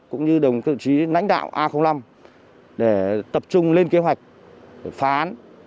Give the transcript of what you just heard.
cũng như đồng chí lãnh đạo a năm để tập trung lên kế hoạch phá án